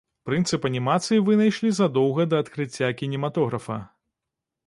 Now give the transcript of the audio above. Прынцып анімацыі вынайшлі задоўга да адкрыцця кінематографа.